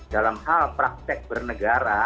dalam hal praktek bernegara